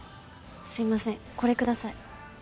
すいませんこれください。